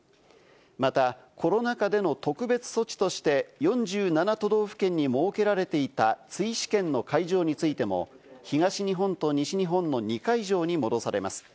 また、コロナ禍での特別措置として、４７都道府県に設けられていた追試験の会場についても、東日本と西日本の２会場に戻されます。